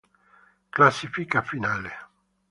Classifica finale.